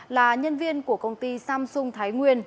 là nhân viên của công ty samsung thái nguyên